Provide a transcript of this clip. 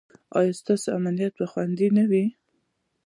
ایا ستاسو امنیت به خوندي نه وي؟